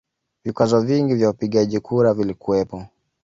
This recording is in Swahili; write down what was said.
Vikwazo vingi vya upigaji kura vilikuwepo